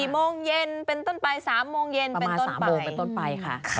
๔โมงเย็นเป็นต้นไป๓โมงเย็นเป็นต้นไป